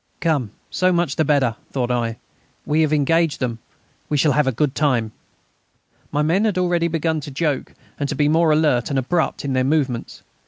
"Come, so much the better," thought I. "We have engaged them. We shall have a good time." My men had already begun to joke and to be more alert and abrupt in their movements.